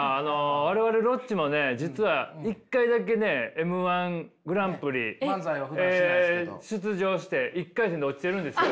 我々ロッチもね実は１回だけねＭー１グランプリ出場して１回戦で落ちてるんですよ。